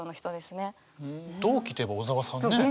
同期といえば小沢さんね。